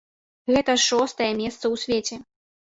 Гэта шостае месца ў свеце.